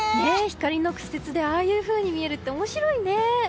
光の屈折でああいうふうに見えるって面白いね。